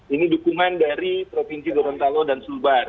ini dukungan dari provinsi gorontalo dan sulbar